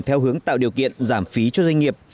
theo hướng tạo điều kiện giảm phí cho doanh nghiệp